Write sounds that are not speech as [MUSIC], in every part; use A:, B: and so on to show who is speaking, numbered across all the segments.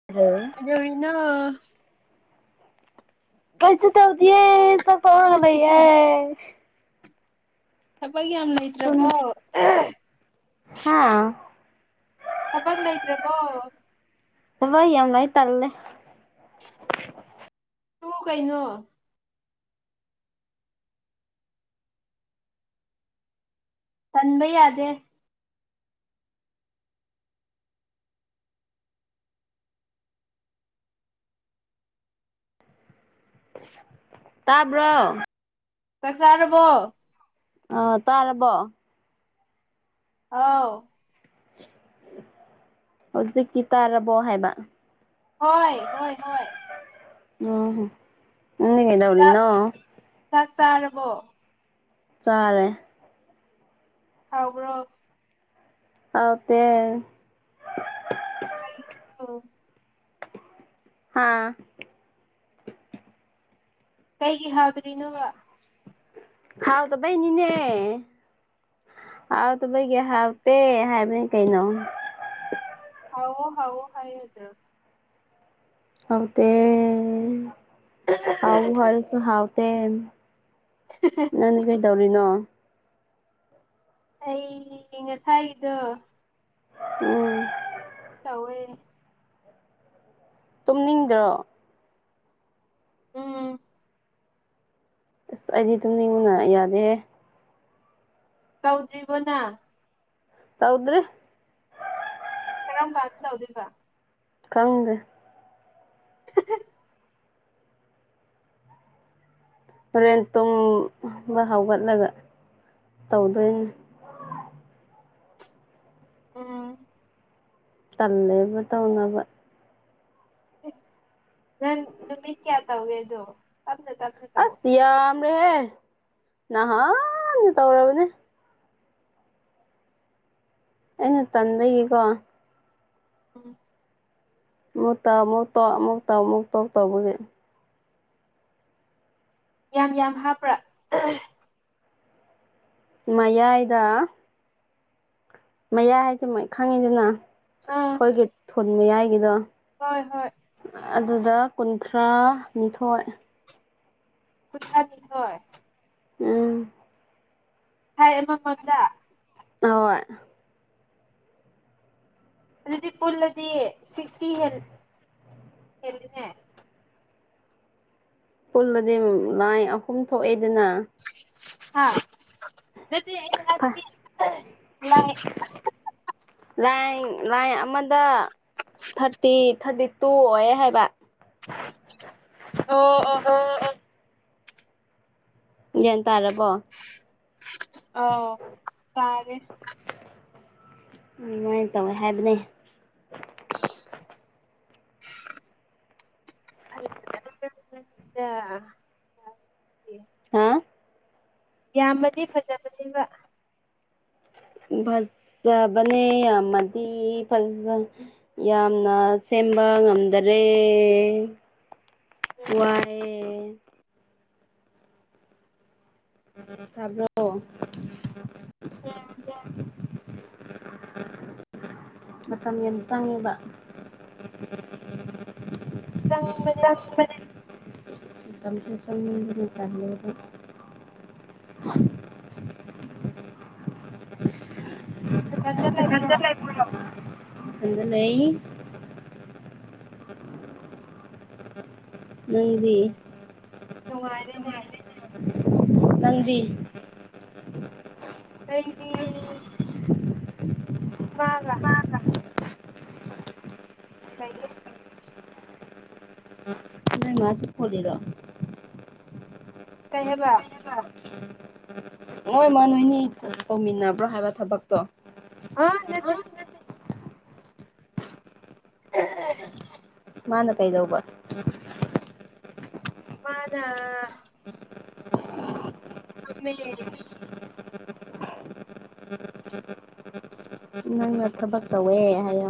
A: [UNINTELLIGIBLE]
B: [UNINTELLIGIBLE] ꯔꯤꯅꯣ
A: ꯀꯩꯁꯨ ꯇꯧꯗꯤꯌꯦ [UNINTELLIGIBLE]
B: ꯊꯕꯛ ꯌꯥꯝ ꯂꯩꯇ꯭ꯔꯕꯣ
A: ꯍꯥꯥ
B: ꯊꯕꯛ ꯂꯩꯇ꯭ꯔꯕꯣ
A: ꯊꯕꯛ ꯌꯥꯝ ꯂꯩ ꯇꯜꯂꯦ
B: ꯇꯣ ꯀꯩꯅꯣ ꯇꯟꯕ ꯌꯥꯗꯦ
A: ꯇꯥꯕ꯭ꯔꯣ
B: ꯆꯥꯛ ꯆꯥꯔꯕꯣ
A: ꯑꯥ ꯇꯥꯔꯕꯣ
B: ꯑꯥꯎ
A: ꯍꯧꯖꯤ ꯀꯤ ꯇꯔꯕ ꯍꯥꯏꯥꯏꯕ
B: ꯍꯣꯏ ꯍꯣꯏ ꯍꯣꯏ
A: ꯎꯝ ꯏꯟꯅ ꯀꯩꯗ
B: ꯆꯥꯛ
A: ꯍꯧꯔꯅꯣ
B: ꯆꯥꯛ ꯆꯥꯔꯕꯣ
A: ꯇꯔꯦ
B: ꯈꯥꯎꯕꯣ
A: ꯑꯗ
B: ꯑ
A: ꯍꯥꯥ
B: ꯀꯩꯒꯤ ꯍꯥꯎꯗ꯭ꯔꯤꯅꯣꯕ
A: ꯍꯥꯎꯗ ꯩ ꯅꯅꯦ ꯍꯥꯎꯗꯕꯩꯒꯤ ꯍꯥꯎꯇꯦ ꯍꯥꯏꯕꯅꯤ ꯀꯩꯅꯣ
B: ꯍ ꯍꯣ ꯍꯥꯏ ꯑꯗꯨ
A: ꯍꯥꯎꯇ ꯍꯥꯎ ꯍꯔꯁꯨ ꯍꯥꯎꯇ
B: ꯎ
A: ꯅꯪꯗꯤ ꯀꯩꯗꯧꯔꯤꯅꯣ
B: ꯑꯩ ꯉꯁꯥꯏꯒꯤꯗꯣ
A: ꯎꯝ
B: ꯇꯋꯦ
A: ꯇꯨꯝꯅꯤꯡꯗ꯭ꯔꯣ
B: ꯎꯝ
A: ꯑ ꯑꯩꯗꯤ ꯇꯝꯅꯤꯡꯉꯟꯅ ꯌꯥꯗꯦ
B: ꯀꯧꯗ꯭ꯔꯤꯕꯕꯣꯅ
A: ꯇꯧꯗ꯭ꯔꯔꯤ
B: ꯀꯔꯝ ꯀꯗ ꯂꯧꯗꯣꯏꯕ
A: ꯈꯪꯗꯦ ꯍꯣꯔꯦꯟ ꯇꯨꯝꯕ ꯍꯧꯒꯠꯂꯒ ꯇꯧꯗꯣꯏꯅꯤ
B: ꯎꯝ
A: ꯇꯜꯂꯦꯕ ꯇꯧꯅꯕ
B: ꯅ ꯅꯨꯃꯤꯠ ꯀꯌꯥ ꯇꯧꯒꯦꯗꯣ ꯇꯝꯅꯦ ꯇ
A: ꯑꯁꯤꯤ ꯌꯥꯝꯔꯦꯍꯦ ꯅꯍꯥꯟ ꯇꯧꯔꯕꯅꯦ ꯑꯩꯅ ꯇꯟꯕꯒꯤꯀꯣ
B: ꯎꯟ
A: ꯃꯨꯛ ꯇꯥꯎ ꯑꯃꯨꯛ ꯇꯣꯛ ꯑꯃꯨꯛ ꯇꯥꯎ ꯑꯃꯨꯛ ꯇꯣꯛ ꯇꯧꯕꯒꯤ
B: ꯌꯥꯝ ꯌꯥꯝ ꯍꯥꯞꯄ꯭ꯔꯥ
A: ꯃꯌꯥꯏꯗ ꯃꯌꯥꯏꯗ ꯃꯣꯏ ꯈꯪꯉꯤꯗꯅ
B: ꯑꯥ
A: ꯑꯩꯈꯣꯏꯒꯤ ꯊꯨꯅ ꯃꯌꯥꯏꯒꯤꯗꯣ
B: ꯍꯣꯏ ꯍꯣꯏ
A: ꯑꯗꯨꯗ ꯀꯨꯟꯊ꯭ꯔꯥ ꯅꯤꯊꯣꯏ
B: ꯀꯨꯟꯊꯔꯥꯅꯤꯊꯣꯏ
A: ꯎꯝ
B: ꯍꯥꯏ ꯑꯃꯃꯝꯗ
A: ꯍꯣꯏ
B: ꯑꯗꯨꯗꯤ ꯄꯨꯜꯂꯗꯤ ꯁꯤꯛꯁꯇꯤ ꯍ ꯍꯦꯜꯂꯤꯅꯦ
A: ꯄꯨꯜꯗꯗꯤ ꯂꯥꯏ ꯑꯍꯨꯝ ꯊꯣꯛꯑꯦꯗꯅ
B: ꯅꯠꯇꯦ ꯑꯩꯅ ꯍꯥꯏꯕꯗꯤ ꯂꯥꯏ
A: ꯂꯥꯏ ꯂꯥꯏ ꯑꯃꯗ ꯊꯥꯔꯇꯤ ꯊꯥꯔꯇꯤ ꯇꯨ ꯑꯣꯏ ꯍꯥꯏꯕ
B: ꯑꯣ ꯑꯣ
A: ꯒ꯭ꯌꯥꯟ ꯇꯥꯔꯕꯣ
B: ꯑꯣ ꯇꯥꯔꯦ
A: ꯑꯗꯨꯃꯥꯏꯅ ꯇꯧꯋꯦ ꯍꯥꯏꯕꯅꯤ [INAUDIBLE]
B: ꯗ
A: ꯍꯥꯥ
B: ꯌꯥꯝꯃꯗꯤ ꯐꯖꯒꯗꯣꯏꯕ
A: ꯐꯖꯕꯅꯦ ꯌꯥꯝꯃꯗꯤ ꯐ ꯌꯥꯝꯅ ꯁꯦꯝꯕ ꯉꯝꯗꯔꯦ
B: ꯎꯝ
A: ꯋꯥꯏ ꯇꯥꯕ꯭ꯔꯣ
B: ꯎꯝ
A: ꯃꯇꯝ ꯌꯥꯝ ꯆꯪꯉꯦꯕ
B: ꯆꯪꯕꯅꯦ
A: [UNINTELLIGIBLE] [INAUDIBLE]
B: ꯅꯊꯟꯗ ꯂꯩꯕ꯭ꯔꯣ
A: ꯏꯊꯟꯗ ꯂꯩ ꯅꯪꯗꯤ
B: ꯅꯨꯡꯉꯥꯏꯔꯦꯅꯦ
A: ꯅꯪꯗꯤ
B: ꯑꯩꯗꯤ ꯃꯥꯒ ꯂꯩꯌꯦ
A: [INAUDIBLE] [UNINTELLIGIBLE]
B: ꯀꯩ ꯍꯥꯏꯕ
A: ꯅꯣꯏꯃ ꯅꯣꯏꯅꯤ ꯇꯧꯃꯤꯟꯅꯕ꯭ꯔꯣ ꯍꯥꯏꯕ ꯊꯕꯛ ꯇꯣ
B: ꯑꯥ ꯅꯠꯇꯦ [INAUDIBLE]
A: ꯃꯥꯅ ꯀꯩꯗꯧꯕ [INAUDIBLE]
B: ꯃꯥꯅ ꯇꯨꯝꯃꯤ
A: ꯅꯪꯅ ꯊꯕꯛ ꯇꯧꯋꯤ ꯍꯥꯏꯌꯣ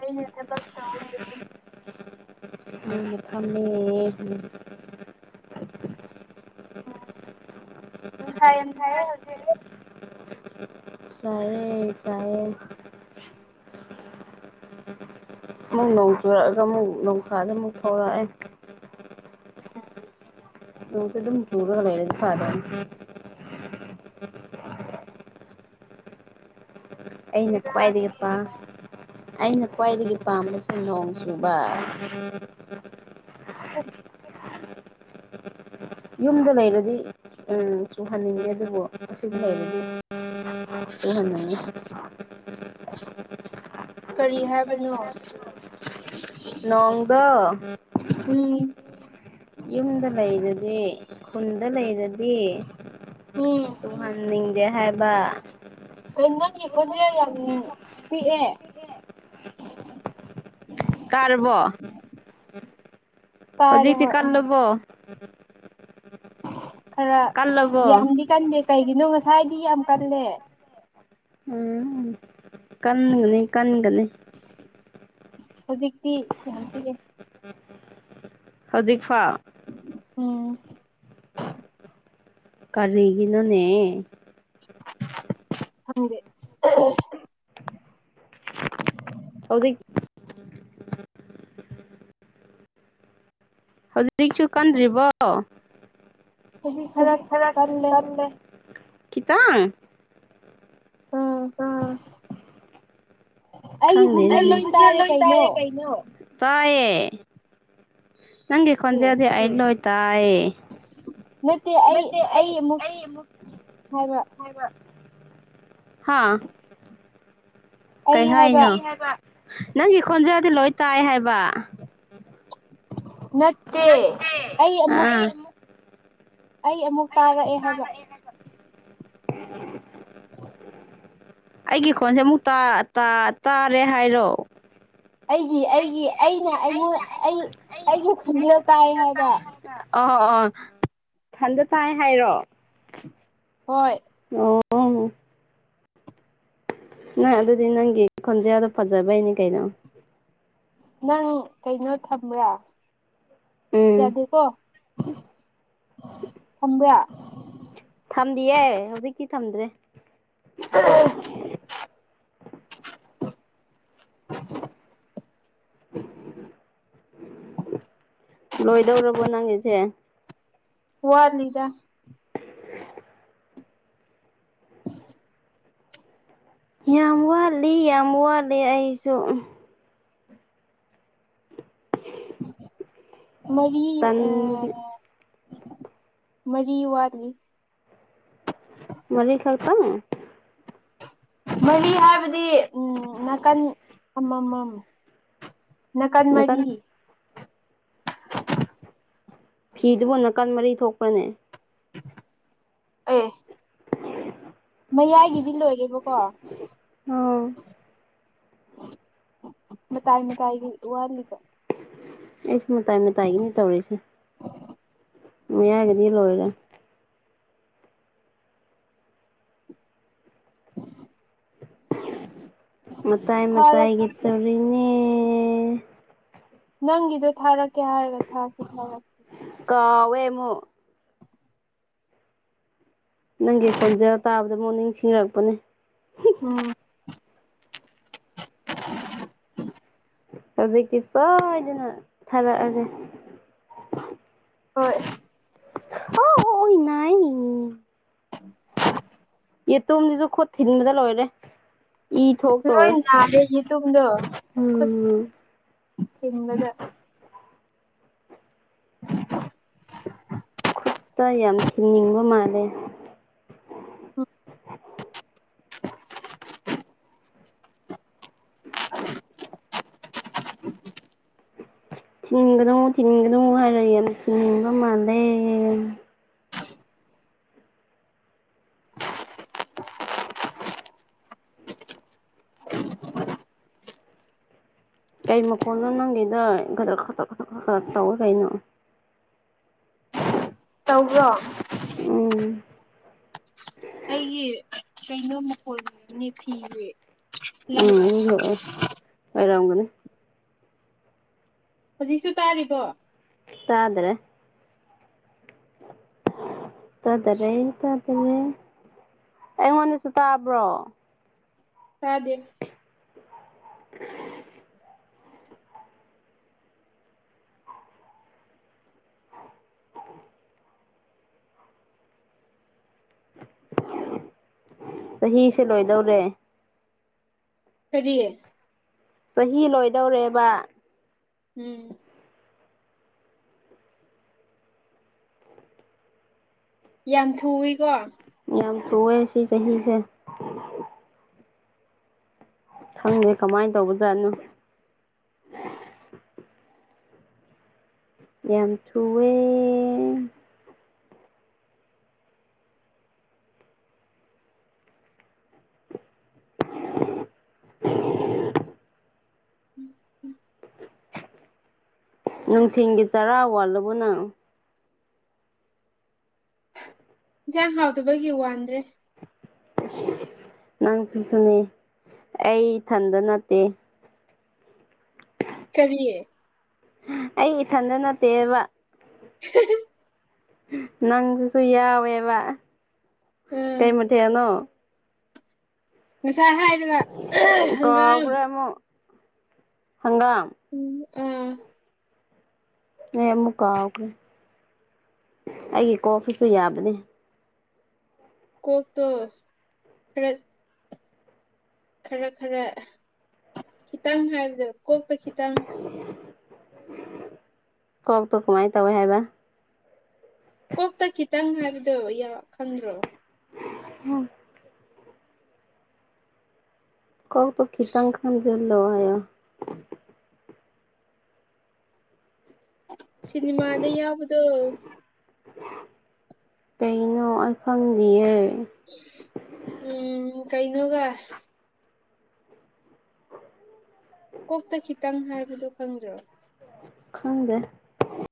B: ꯑꯩꯅ ꯊꯕꯛ ꯇꯧꯋꯦ
A: ꯐꯝꯃꯤ
B: ꯅꯨꯡꯁ ꯌꯥꯝ ꯁꯥꯏꯌꯦ ꯍꯧꯖꯤꯛ
A: ꯆꯔꯦ ꯆꯌꯦ ꯑꯃꯨꯛ ꯅꯣꯡ ꯆꯨꯔꯛꯑꯒ ꯑꯃꯨꯛ ꯅꯨꯡꯁꯥꯗ ꯑꯃꯨꯛ ꯊꯧꯔꯛꯑꯦ
B: ꯑꯝ
A: ꯅꯣꯡꯁꯨ ꯑꯗꯨꯝ ꯆꯨꯔꯒ ꯂꯩꯔꯗꯤ ꯐꯗꯧꯅꯤ ꯑꯩꯅ
B: ꯕꯦꯔꯥꯅꯤ
A: ꯈ꯭ꯋꯥꯏꯗꯒꯤ ꯄꯥꯝ ꯑꯩꯅ ꯈ꯭ꯋꯥꯏꯗꯒꯤ ꯄꯥꯝꯕꯁꯦ ꯅꯣꯡ ꯆꯨꯕ
B: ꯎꯝ
A: ꯌꯨꯝꯗ ꯂꯩꯔꯗꯤ ꯎꯝ ꯆꯨꯍꯟꯅꯤꯡꯉꯦ ꯑꯗꯨꯕꯨ ꯑꯁꯤꯗ ꯂꯩꯔꯗꯤ ꯆꯨꯍꯟꯅꯤꯡꯏ
B: ꯀꯔꯤ ꯍꯥꯏꯕꯅꯣ
A: ꯅꯣꯡꯗꯣ
B: ꯎꯝ
A: ꯌꯨꯝꯗ ꯂꯩꯔꯗꯤ ꯈꯨꯟꯗ ꯂꯩꯔꯗꯤ
B: ꯎꯝ
A: ꯇꯍꯟꯅꯤꯡꯗꯦ ꯍꯥꯏꯕ
B: ꯅꯪꯒꯤꯈꯣꯟꯁꯦ ꯌꯥꯝ ꯄꯤꯛꯑꯦ
A: ꯇꯔꯕꯣ
B: ꯇꯥꯔꯦ
A: ꯍꯧꯖꯤꯛꯗꯤ
B: ꯍꯣꯏ
A: ꯀꯥꯥꯟ
B: ꯎꯝ
A: ꯂꯕꯣ
B: ꯈꯔ
A: ꯀꯜꯂꯕꯣ
B: ꯌꯥꯝꯗꯤ ꯀꯟꯗꯦ ꯀꯩꯒꯤꯅꯣ ꯉꯁꯥꯏꯗꯤ ꯌꯥꯝ ꯀꯜꯂꯦ
A: ꯎꯝ ꯀꯟꯒꯅꯤ ꯀꯟꯒꯅꯤ
B: ꯍꯧꯖꯤꯛꯇꯤ ꯌꯥꯝ ꯄꯤꯌꯦ
A: ꯍꯧꯖꯤꯛ ꯐꯥꯎ
B: ꯎꯝ
A: ꯀꯔꯤ ꯏꯅꯣꯅꯦ
B: ꯈꯪꯗꯦ
A: ꯑꯗꯨꯗꯤ ꯍꯧꯖꯤꯛꯁꯨ ꯀꯟꯗ꯭ꯔꯤꯕꯣ ꯍꯧꯖꯤꯛ ꯈꯔ ꯀꯜꯂꯦ ꯈꯤꯇꯪ
B: ꯎꯝ
A: ꯑꯥ
B: ꯑꯩꯒꯤ ꯈꯣꯟꯖꯦꯜ
A: ꯩꯑꯩ ꯁꯤꯗꯪ
B: ꯇꯥꯔꯦ
A: ꯂꯣꯏ
B: ꯀꯩꯅꯣ
A: ꯇꯥꯏꯔꯦ ꯀꯩꯅꯩꯅꯣ ꯇꯥꯏꯌꯦ ꯅꯪꯒꯤ
B: ꯑꯦ
A: ꯈꯣꯟꯖꯦꯟꯗꯦ ꯑꯗꯨ ꯑ ꯂꯣꯏ ꯇꯥꯏꯌꯦ ꯅꯠꯇꯦ ꯑꯩ
B: ꯍꯥꯏꯕ
A: ꯑꯩ ꯍꯥ ꯀꯩ
B: ꯑꯩ ꯍꯥꯏꯕ
A: ꯍꯥꯏꯅꯣ ꯅꯪꯒꯤ ꯈꯣꯟꯖꯦꯟꯗꯤ ꯂꯣꯏ ꯇꯥꯏ ꯍꯥꯏꯕ
B: ꯅꯠꯇꯦ ꯑꯩ ꯑꯃꯨꯛ
A: ꯑꯩ ꯑꯃꯨꯛ ꯇꯥꯔꯛꯑꯦꯅ ꯑꯩꯒꯤ ꯈꯣꯟꯁꯦ ꯑꯃꯨꯛ ꯇ ꯇꯥꯔꯦ ꯍꯥꯏꯔꯣ
B: ꯑꯩꯒꯤ ꯑꯩꯒꯤ ꯑꯩꯅ ꯑꯩꯉꯣꯟ ꯑꯩ ꯑꯩꯒꯤ ꯈꯟꯖꯦꯜ ꯇꯥꯏ ꯍꯥꯏꯕ
A: ꯑꯥ ꯑꯥ ꯊꯟꯗ ꯇꯥꯏ ꯍꯥꯏꯔꯣ
B: ꯍꯣꯏ
A: ꯑꯣ ꯑꯥꯎ ꯅꯣꯏ ꯑꯗꯨꯗꯤ ꯅꯪꯒꯤ ꯈꯣꯟꯖꯦꯟꯗꯣ ꯐꯖꯕꯩꯅꯦ ꯀꯩꯅꯣ
B: ꯅꯪ ꯀꯩꯅꯣ ꯊꯝꯕ꯭ꯔꯥ
A: ꯎꯝ
B: ꯌꯥꯗꯦꯀꯣ ꯊꯝꯕ꯭ꯔꯥ
A: ꯊꯝꯗꯤꯌꯦ ꯍꯧꯖꯤꯛꯇꯤ ꯊꯝꯗ꯭ꯔꯦ
B: ꯑꯍꯥ
A: ꯂꯣꯏꯗꯧꯔꯕꯣ ꯅꯪꯒꯤꯁꯦ
B: ꯋꯥꯠꯂꯤꯗ
A: ꯌꯥꯝ ꯋꯥꯠꯂꯤ ꯌꯥꯝ ꯋꯥꯠꯂꯤ ꯑꯩꯁꯨ
B: ꯃꯔꯤ ꯑ
A: ꯇꯟꯕꯒꯤ
B: ꯃꯔꯤ ꯋꯥꯠꯂꯤ
A: ꯃꯔꯤꯔꯤ ꯈꯥꯛ ꯇ
B: ꯃꯔꯤ ꯍꯥꯏꯕꯗꯤ ꯎꯝ ꯅꯥꯀꯟ ꯑꯃꯃꯝ ꯅꯥꯀꯟ ꯃꯔꯤ
A: ꯐꯤꯗꯨꯕꯨ ꯅꯥꯀꯟ ꯃꯔꯤ ꯊꯣꯛꯄ꯭ꯔꯅꯦ
B: ꯑꯦ ꯃꯌꯥꯏꯒꯤꯗꯤ ꯂꯣꯏꯔꯦꯕꯀꯣ
A: ꯑꯣ
B: ꯃꯗꯥꯏ ꯃꯗꯥꯏꯒꯤ ꯎꯍꯔꯂꯤꯕ
A: ꯑꯩꯁꯨ ꯃꯇꯥꯏ ꯃꯇꯥꯏꯒꯤꯅꯤ ꯇꯧꯔꯤꯁꯦ ꯌꯥꯔꯒꯗꯤ ꯂꯣꯏꯔꯦ ꯃꯥꯏ ꯃ
B: ꯊꯥꯔꯛ
A: ꯃꯇꯥꯏꯒꯤ ꯇꯧꯔꯤꯅꯦ
B: ꯅꯪꯒꯤꯗꯣ ꯊꯥꯔꯛꯀꯦ ꯍꯥꯏꯔꯒ ꯊꯥꯁꯤ ꯊꯔꯛꯀꯦ
A: ꯀꯋꯦꯃꯣ ꯅꯪꯒꯤ ꯈꯣꯟꯖ ꯇꯥꯕꯗ ꯃꯣꯔꯅꯤꯡ ꯁꯤꯡꯅꯔꯛꯄꯅꯦ
B: ꯎꯝ
A: ꯍꯧꯖꯤꯛꯇꯤ ꯁꯣꯏꯗꯅ ꯊꯥꯔꯛꯑꯒꯦ
B: ꯍꯣꯏ
A: ꯑ ꯑꯣ ꯅꯥꯏ ꯌꯦ ꯇꯣꯝꯁꯨ ꯈꯣꯠ ꯊꯤꯟꯕꯗ ꯂꯣꯏꯔꯦ ꯏ
B: ꯂꯣꯏ
A: ꯊꯣꯛꯇꯧꯔꯦ
B: ꯅꯥꯔꯦꯒꯤ ꯃꯇꯨꯡꯨꯡꯗꯣ ꯈꯨꯠ
A: ꯎꯝ
B: ꯊꯤꯟꯕꯗ
A: ꯈꯨꯠꯇ ꯌꯥꯝ ꯊꯤꯟꯅꯤꯡꯕ ꯃꯥꯜꯂꯦ
B: ꯎꯝ
A: ꯊꯤꯟꯒꯗꯧ ꯊꯤꯟꯒꯗꯧ ꯍꯥꯏꯔꯛꯏ ꯑ ꯊꯤꯡꯅꯤꯡꯕ ꯃꯥꯜꯂꯦ ꯀꯩ ꯃꯈꯣꯟꯅꯣ ꯅꯪꯒꯤꯗ ꯈꯇꯛ ꯈꯇꯛ ꯈꯇꯛ ꯈ ꯈ ꯇꯧꯏ ꯀꯩꯅꯣ
B: ꯇꯧꯕ꯭ꯔꯣ
A: ꯎꯝ
B: ꯑꯩꯒꯤ ꯀꯩꯅꯣ ꯃꯈꯣꯅꯤ ꯐꯤꯒꯤ ꯂꯪ
A: ꯎꯝ ꯍ ꯥꯏꯔꯒꯅꯦ
B: ꯍꯧꯖꯤꯛꯁꯨ ꯇꯥꯔꯤꯕꯣ
A: ꯗ꯭ꯔꯦ ꯇꯥꯊꯔꯦ ꯇꯥꯗꯔꯦ ꯑꯩꯉꯣꯟꯗꯁꯨ ꯇꯥꯕ꯭ꯔꯣ
B: ꯁꯥꯗꯦ
A: [INAUDIBLE] ꯑ ꯆꯍꯤꯁꯦ ꯂꯣꯏꯗꯧꯔꯦ
B: ꯀꯔꯤꯌꯦ
A: ꯆꯍꯤ ꯂꯣꯏꯗꯧꯔꯦꯕ
B: ꯎꯝ ꯌꯥꯝ ꯊꯨꯏꯀꯣ
A: ꯌꯥꯝ ꯆꯑꯦ ꯁꯤ ꯆꯍꯤꯁꯦ ꯈꯪꯗꯦ ꯀꯃꯥꯏꯅ ꯇꯧꯕꯖꯥꯠꯅꯣ ꯌꯥꯝ ꯆꯨꯑꯦ
B: ꯎꯝ ꯎꯝ
A: ꯅꯨꯡꯊꯤꯟꯒꯤ ꯆꯔꯥ ꯋꯥꯠꯂꯕꯣ ꯅꯪ
B: ꯏꯟꯁꯥꯡ ꯍꯥꯎꯗꯕꯒꯤ ꯋꯥꯟꯗ꯭ꯔꯦ
A: ꯅꯪꯁꯨ ꯁꯨꯅꯦ ꯑꯩ ꯏꯊꯟꯗ ꯅꯠꯇꯦ
B: ꯀꯔꯤꯦ
A: ꯑꯩ ꯏꯊꯟꯗ ꯅꯠꯇꯦꯕ
B: [INAUDIBLE]
A: ꯅꯪꯗꯨꯁꯨ ꯌꯥꯎꯋꯦꯕ
B: ꯑ
A: ꯀꯩꯃ ꯊꯦꯅꯣ
B: ꯉꯁꯥ ꯍꯥꯏꯔꯤꯕ
A: ꯏꯀꯈꯔꯃ ꯍꯪꯒꯥ
B: ꯎꯝ ꯎꯝ
A: ꯅ ꯑꯃꯨꯛ ꯀꯥꯎꯈ꯭ꯔꯦ ꯑꯩꯒꯤ ꯀꯣꯐꯁꯨ ꯌꯥꯕꯅꯦ
B: ꯀꯣꯛ ꯇꯣ ꯍ ꯈꯔ ꯈꯔ ꯈꯤꯇꯪ ꯍꯥꯏꯕꯗꯣ ꯀꯣꯛꯄ ꯈꯤꯇꯪ
A: ꯀꯣꯛ ꯇꯣ ꯀꯃꯥꯏꯅ ꯇꯧꯋꯦ ꯍꯥꯏꯕ
B: ꯀꯣꯛꯇ ꯈꯤꯇꯪ ꯍꯥꯏꯕꯗꯣ ꯈꯪꯗ꯭ꯔꯣ
A: ꯎꯝ ꯀꯥꯎꯣ ꯈꯈꯤꯇꯪ ꯈꯥꯟꯗꯂ
B: ꯁꯤꯤꯟꯃꯥꯗ ꯌꯥꯎꯗꯨꯣ
A: ꯀꯩꯅꯣ ꯑꯩꯁꯗꯤꯌꯦ
B: ꯎꯝ ꯀꯩꯩꯅꯣꯒ ꯀꯣꯛꯇ ꯈꯤꯇꯪ ꯍꯥꯏꯕꯗꯨꯣ ꯈꯪꯗ꯭ꯔꯣ
A: ꯈꯪꯗꯦ